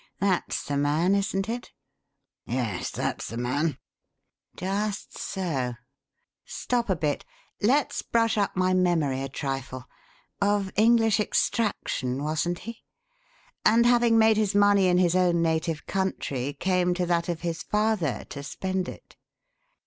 That's the man, isn't it?" "Yes, that's the man." "Just so. Stop a bit! Let's brush up my memory a trifle. Of English extraction, wasn't he? And, having made his money in his own native country, came to that of his father to spend it?